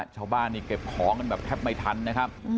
ชาวบ้านนี่เก็บของกันแบบแทบไม่ทันนะครับ